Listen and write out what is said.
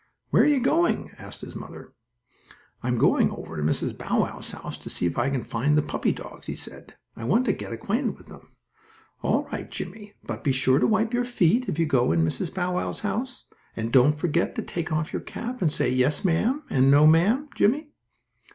"Where are you going?" asked his mother. "I'm going over to Mrs. Bow Wow's house to see if I can find the puppy dogs," he said. "I want to get acquainted with them." "All right, Jimmie, but be sure to wipe your feet if you go in Mrs. Bow Wow's house, and don't forget to take off your cap and say 'yes, ma'am,' and 'no, ma'am,' Jimmie."